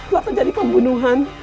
lalu jadi pembunuhan